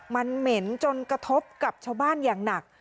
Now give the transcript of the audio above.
มันเหม็นจนกระทบกับชาวบ้านอย่างหนัก